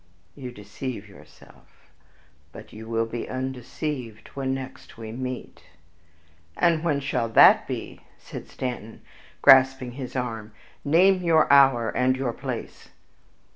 "You deceive yourself, but you will be undeceived when next we meet." "And when shall that be?" said Stanton, grasping his arm; "name your hour and your place."